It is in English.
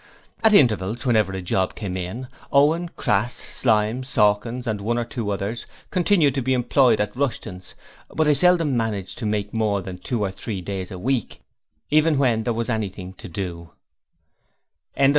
At intervals whenever a job came in Owen, Crass, Slyme, Sawkins and one or two others, continued to be employed at Rushton's, but they seldom managed to make more than two or three days a week, even when there was anything to do.